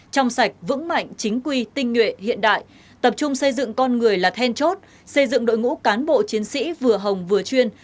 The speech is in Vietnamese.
trong sạch vững mạnh chính quy tinh nguyện hiện đại tập trung xây dựng con người là then chốt xây dựng đội ngũ cán bộ chiến sĩ vừa hồng vừa chuyên